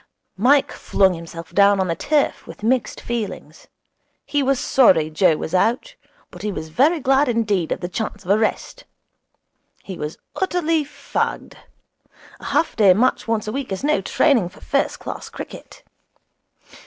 Mike flung himself down on the turf with mixed feelings. He was sorry Joe was out, but he was very glad indeed of the chance of a rest. He was utterly fagged. A half day match once a week is no training for first class cricket.